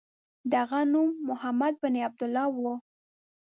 د هغه نوم محمد بن عبدالله و.